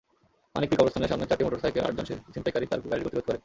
মানিকপীর কবরস্থানের সামনে চারটি মোটরসাইকেলে আটজন ছিনতাইকারী তাঁর গাড়ির গতিরোধ করে।